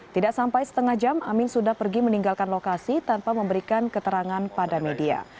tidak sampai setengah jam amin sudah pergi meninggalkan lokasi tanpa memberikan keterangan pada media